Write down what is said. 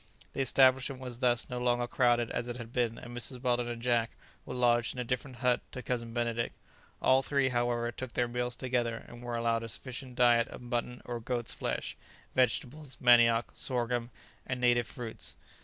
The establishment was thus no longer crowded as it had been, and Mrs. Weldon and Jack were lodged in a different hut to Cousin Benedict. All three, however, took their meals together and were allowed a sufficient diet of mutton or goats' flesh, vegetables, manioc, sorghum and native fruits.